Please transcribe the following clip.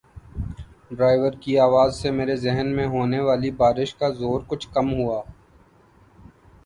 driver کی آواز سے میرے ذہن میں ہونے والی بار ش کا زور کچھ کم ہوا